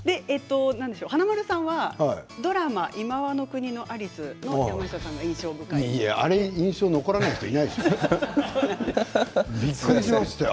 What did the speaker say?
華丸さんはドラマ「今際の国のアリス」の山下さんが印象深いと。あれ印象に残らない人いないでしょうびっくりしましたよ。